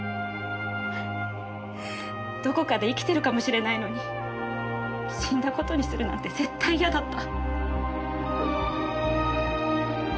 どこかで生きてるかもしれないのに死んだ事にするなんて絶対嫌だった。